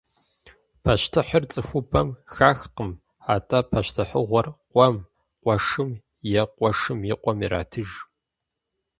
Пащтыхьыр цӏыхубэм хахкъым, атӏэ пащтыхьыгъуэр къуэм, къуэшым е къуэшым и къуэм иратыж.